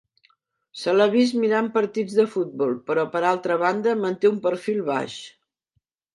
Se l'ha vist mirant partits de futbol, però per altra banda manté un perfil baix.